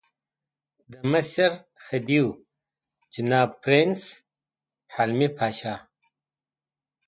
د مصر خدیو جناب پرنس حلمي پاشا.